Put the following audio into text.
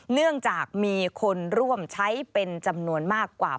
เนื่องจากมีคนร่วมใช้เป็นจำนวนมากกว่า